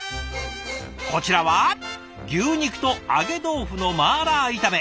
こちらは牛肉と揚げ豆腐の麻辣炒め。